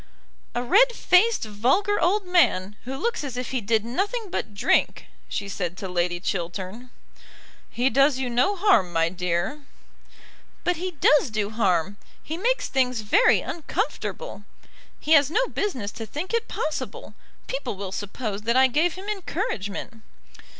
"A red faced vulgar old man, who looks as if he did nothing but drink," she said to Lady Chiltern. "He does you no harm, my dear." "But he does do harm. He makes things very uncomfortable. He has no business to think it possible. People will suppose that I gave him encouragement."